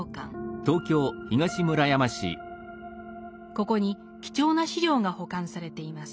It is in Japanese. ここに貴重な資料が保管されています。